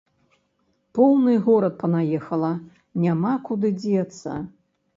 Поўны горад панаехала, няма куды дзецца.